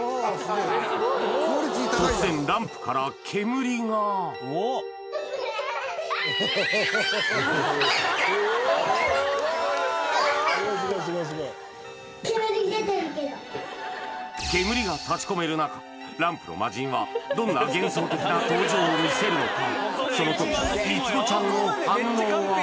突然ランプから煙が煙が立ちこめる中ランプの魔人はどんな幻想的な登場を見せるのか？